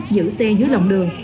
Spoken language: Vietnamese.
giữ xe dưới lòng đường